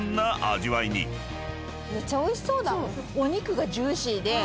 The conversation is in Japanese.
めっちゃおいしそうだもん。